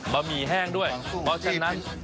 หมี่แห้งด้วยเพราะฉะนั้น